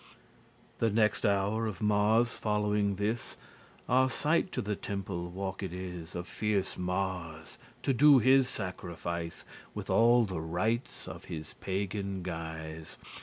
The nexte hour of Mars following this Arcite to the temple walked is Of fierce Mars, to do his sacrifice With all the rites of his pagan guise.